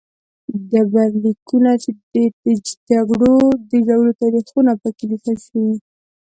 ډبرلیکونه چې د جګړو تاریخونه په کې لیکل شوي